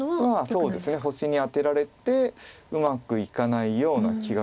そうですね星にアテられてうまくいかないような気がします。